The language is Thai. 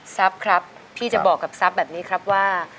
ซับค์ครับพี่จะบอกกับซับแบบนี้ครับว่า